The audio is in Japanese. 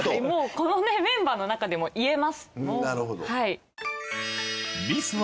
このメンバーのなかでも言えます。